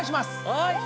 はい！